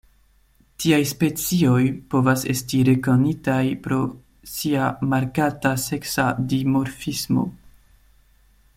Tiaj specioj povas esti rekonitaj pro sia markata seksa dimorfismo.